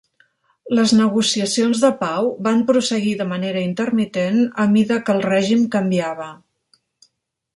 Les negociacions de pau van prosseguir de manera intermitent a mida que el règim canviava.